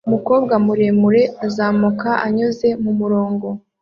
umukobwa muremure uzamuka anyuze mumurongo